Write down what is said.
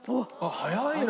早いな。